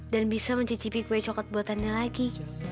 dan bisa mencicipi gue coket buatannya lagi